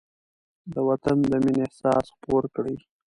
د وطن د مینې احساس خپور کړئ.